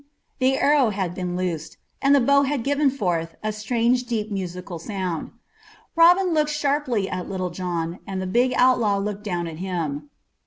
The arrow had been loosed, and the bow had given forth a strange deep musical sound. Robin looked sharply at Little John, and the big outlaw looked down at him.